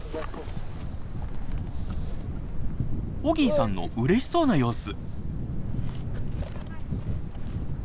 オギーさんのうれしそうな様子。